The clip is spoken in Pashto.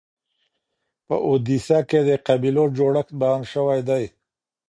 په اودیسه کي د قبیلو جوړښت بیان سوی دی.